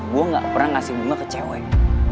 gue gak pernah ngasih bunga ke cewek